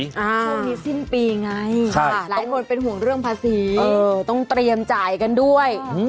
ช่วงนี้สิ้นปีไงหลายคนเป็นห่วงเรื่องภาษีต้องเตรียมจ่ายกันด้วย